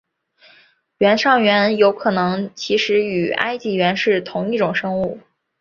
原上猿有可能其实与埃及猿是同一种生物。